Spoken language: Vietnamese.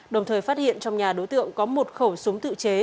đồng thời phát hiện trong nhà đối tượng có một khẩu súng tự chế